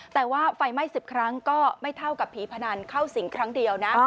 แต่ว่าไฟไหม้๑๐ครั้งก็ไม่เท่ากับผีพนันเข้าสิงครั้งเดียวนะ